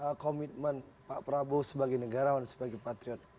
karena komitmen pak prabowo sebagai negarawan sebagai patriot